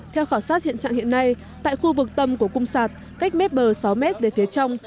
theo khảo sát hiện trạng hiện nay tại khu vực tâm của cung sạt cách mép bờ sáu m về phía trong